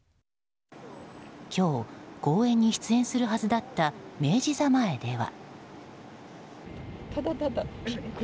今日公演に出演するはずだった明治座前では。